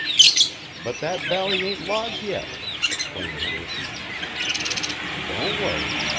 "But that valley ain't logged yet," explained Henderson. "Don't worry.